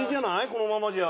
このままじゃ。